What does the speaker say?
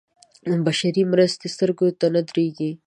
بشري مرستې سترګو ته نه درېږي.